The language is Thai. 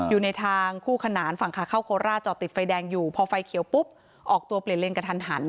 อยู่ในทางคู่ขนานฝั่งขาเข้าโคราชจอดติดไฟแดงอยู่พอไฟเขียวปุ๊บออกตัวเปลี่ยนเลนกระทันหัน